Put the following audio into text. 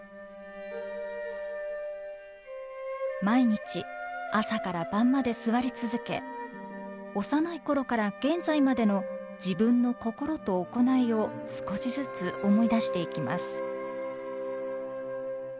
毎日朝から晩まで坐り続け幼い頃から現在までの自分の心と行いを少しずつ思い出していきます。